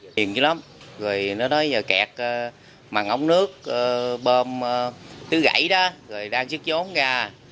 tiền chứ lắm rồi nó nói giờ kẹt bằng ống nước bơm tứ gãy đó rồi đang chức giốn ra